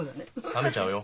冷めちゃうよ。